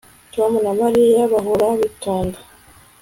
Tom na Mariya bahora bitonda